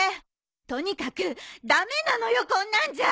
とにかく駄目なのよこんなんじゃ！